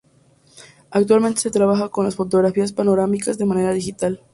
Actualmente se trabaja con las fotografías panorámicas de manera digital.